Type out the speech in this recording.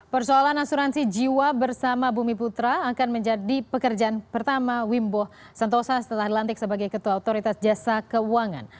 persoalan asuransi jiwa bersama bumi putra akan menjadi pekerjaan pertama wimbo santosa setelah dilantik sebagai ketua otoritas jasa keuangan